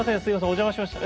お邪魔しました。